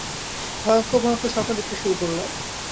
ভয়ংকর ভয়ংকর স্বপ্ন দেখতে শুরু করলাম।